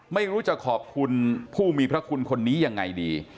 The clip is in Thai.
ไม่รู้จะขอบคุณผู้มีพระคุณคนนี้ยังไงดี